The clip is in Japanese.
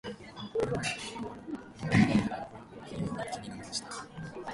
「目の前のことを頑張ろう」苦めに淹れた残りのコーヒーを一気に飲み干した。